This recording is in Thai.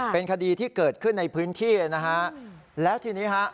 เป็นคดีที่เกิดขึ้นในพื้นที่นะฮะแล้วทีนี้ฮะ